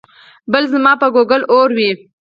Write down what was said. بل ځما په ګوګل اور وي